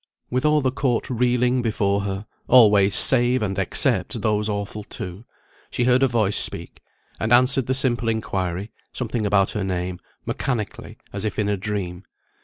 With all the court reeling before her (always save and except those awful two), she heard a voice speak, and answered the simple inquiry (something about her name) mechanically, as if in a dream.